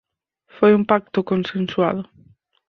Foi un pacto consensuado.